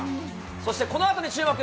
そしてこのあとに注目。